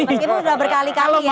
meskipun sudah berkali kali ya